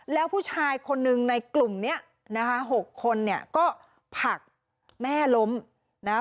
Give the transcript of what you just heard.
แล้วผู้ชายคนหนึ่งในกลุ่มนี้นะคะ๖คนเนี่ยก็ผลักแม่ล้มนะคะ